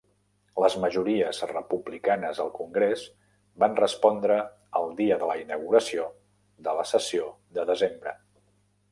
Les majories republicanes al congrés van respondre el dia de la inauguració de la sessió de desembre.